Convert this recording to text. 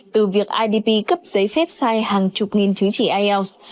từ việc idp cấp giấy phép sai hàng chục nghìn chứng chỉ ielts